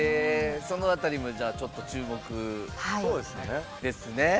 その辺りもじゃあちょっと注目ですね。